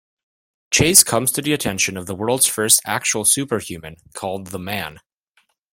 Chase comes to the attention of the world's first actual super-human, called "The Man".